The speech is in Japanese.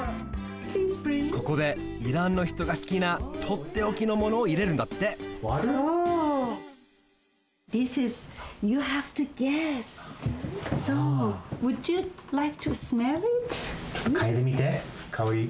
ここでイランの人がすきなとっておきのものを入れるんだってちょっとかいでみてかおり。